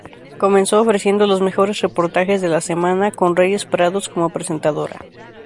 Comenzó ofreciendo los mejores reportajes de la semana, con Reyes Prados como presentadora.